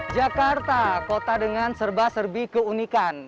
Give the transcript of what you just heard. jakarta kota dengan serba serbi keunikan